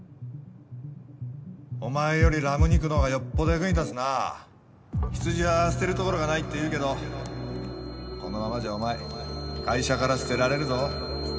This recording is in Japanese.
お前よりラム肉のほうがよっキーン羊は捨てる所がないっていうけどこのままじゃお前会社から捨てられるぞ。